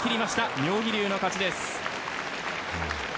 妙義龍の勝ちです。